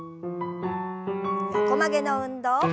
横曲げの運動。